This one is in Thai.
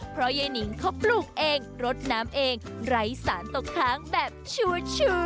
เพราะยายนิงเขาปลูกเองรดน้ำเองไร้สารตกค้างแบบชัวร์